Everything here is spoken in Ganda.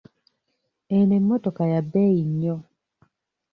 Eno emottoka ya beeyi nnyo.